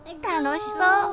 楽しそう。